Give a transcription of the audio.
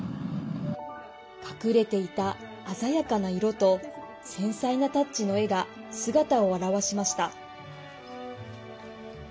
隠れていた鮮やかな色と繊細なタッチの絵が姿を現しました。